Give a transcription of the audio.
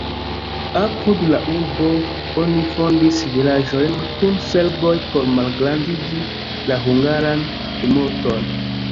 Apud la urbo oni fondis vilaĝojn kun serboj por malgrandigi la hungaran plimulton.